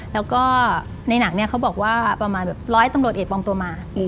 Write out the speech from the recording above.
แล้วก็ในหนังเนี่ยเขาบอกว่าประมาณแบบร้อยตำรวจเอกปลอมตัวมา